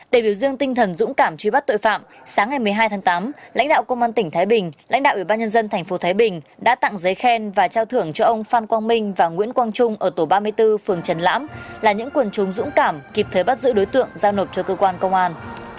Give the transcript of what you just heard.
để biểu dương tinh thần dũng cảm truy bắt tội phạm sáng ngày một mươi hai tháng tám lãnh đạo công an tỉnh thái bình lãnh đạo ủy ban nhân dân tp thái bình đã tặng giấy khen và trao thưởng cho ông phan quang minh và nguyễn quang trung ở tổ ba mươi bốn phường trần lãm là những quần chúng dũng cảm kịp thời bắt giữ đối tượng giao nộp cho cơ quan công an